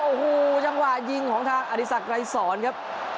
โอ้โหจังหวะยิงของทางอธิสักไกรสอนครับ